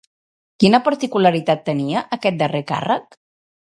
Quina particularitat tenia aquest darrer càrrec?